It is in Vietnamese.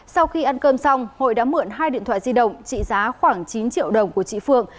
sau khi ăn cơm xong hội đã mượn hai điện thoại di động trị giá khoảng chín triệu đồng của chị phượng